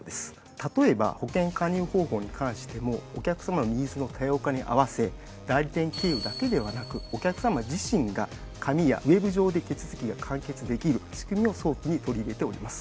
例えば保険加入方法に関してもお客さまのニーズの多様化に合わせ代理店経由だけではなくお客さま自身が紙やウェブ上で手続きが完結できる仕組みを早期に取り入れております。